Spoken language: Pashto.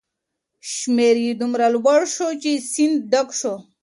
شمیر دومره لوړ شو چې سیند ډک شو.